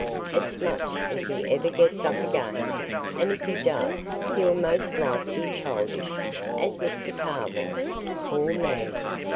"It's much if he ever gets up again; and if he does, he'll most like be childish, as Mr Carr was, poor man!